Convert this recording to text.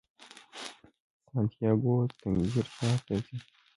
سانتیاګو تنګیر ښار ته ځي.